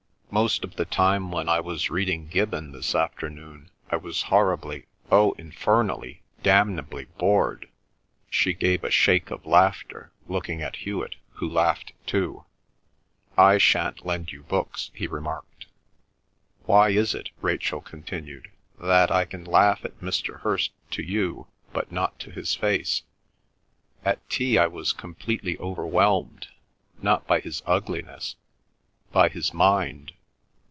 Most of the time when I was reading Gibbon this afternoon I was horribly, oh infernally, damnably bored!" She gave a shake of laughter, looking at Hewet, who laughed too. "I shan't lend you books," he remarked. "Why is it," Rachel continued, "that I can laugh at Mr. Hirst to you, but not to his face? At tea I was completely overwhelmed, not by his ugliness—by his mind."